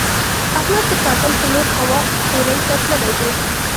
احمد د کابل په لور هوا خورۍ ته تللی دی.